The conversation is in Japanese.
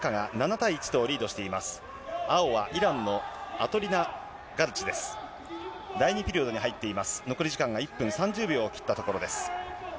第２ピリオドにに残り時間が１分３０秒を切ったところです。